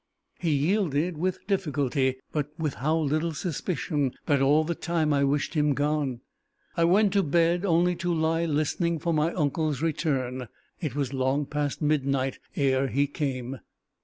He yielded with difficulty but with how little suspicion that all the time I wished him gone! I went to bed only to lie listening for my uncle's return. It was long past midnight ere he came.